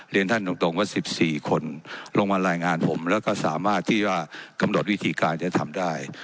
เรียนท่านตรงว่า๑๔คนลงมารายงานผมแล้วก็สามารถที่ว่ากำหนดวิธีการจะทำได้